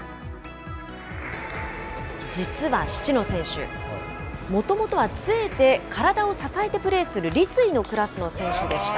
実は七野選手、もともとはつえで体を支えてプレーする立位のクラスの選手でした。